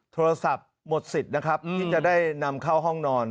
โทรศัพท์หมดสิทธิ์นะครับที่จะได้นำเข้าห้องนอน